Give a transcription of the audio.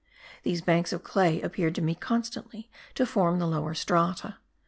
These banks of clay appeared to me constantly to form the lower strata.